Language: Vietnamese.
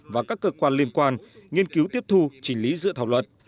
và các cơ quan liên quan nghiên cứu tiếp thu chỉnh lý dự thảo luật